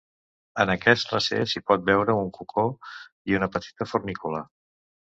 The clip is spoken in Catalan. En aquest recer s'hi pot veure un cocó i una petita fornícula.